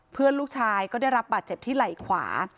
เพื่อนลูกชายก็ได้รับบาดเจ็บที่ไหล่ขวา